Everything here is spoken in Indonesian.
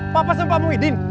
papa sama pak muhyiddin